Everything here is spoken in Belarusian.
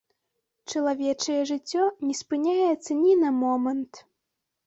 Чалавечае жыццё не спыняецца ні на момант.